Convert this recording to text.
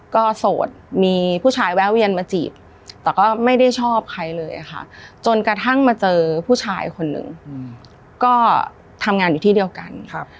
ก็โสดมีผู้ชายแวะเวียนมาจีบแต่ก็ไม่ได้ชอบใครเลยค่ะจนกระทั่งมาเจอผู้ชายคนหนึ่งก็ทำงานอยู่ที่เดียวกัน